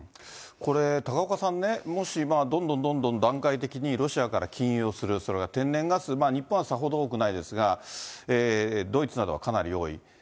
これ、高岡さんね、もしどんどんどんどん段階的に、ロシアから禁輸をする、それから天然ガス、日本はさほど多くないですが、ドイツなどはかなり多い。